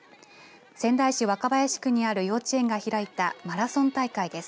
仙台市若林区にある幼稚園が開いたマラソン大会です。